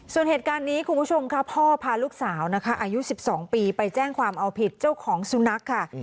ส่วนเหตุการณ์นี้คุณผู้ชมค่ะพ่อพาลูกสาวนะคะอายุ๑๒ปีไปแจ้งความเอาผิดเจ้าของสุนัขค่ะ